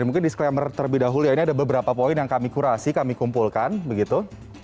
mungkin disclaimer terlebih dahulu ya ini ada beberapa poin yang kami kurasi kami kumpulkan begitu